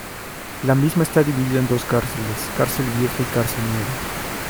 La misma está dividida en dos cárceles, cárcel vieja y cárcel nueva.